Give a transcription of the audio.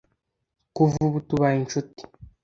kuva ubu tubaye inshuti,